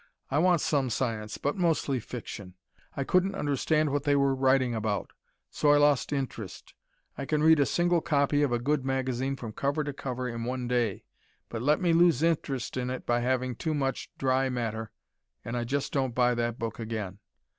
I want some science, but mostly fiction. I couldn't understand what they were writing about, so I lost interest. I can read a single copy of a good magazine from cover to cover in one day, but let me lose interest in it by having too much dry matter and I just don't buy that book again.